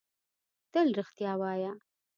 تل رښتیا وایۀ!